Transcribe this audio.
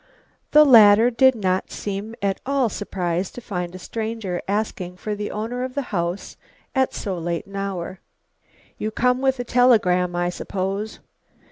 The latter did not seem at all surprised to find a stranger asking for the owner of the house at so late an hour. "You come with a telegram, I suppose?